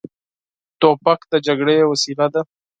توپک د جګړې وسیله ده.